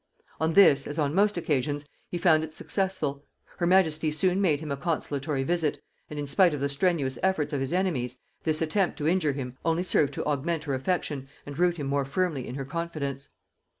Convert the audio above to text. On this, as on most occasions, he found it successful: her majesty soon made him a consolatory visit; and in spite of the strenuous efforts of his enemies, this attempt to injure him only served to augment her affection and root him more firmly in her confidence.